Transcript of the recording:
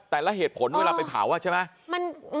แต่ละเหตุผลเวลาไปเผาใช่ไหม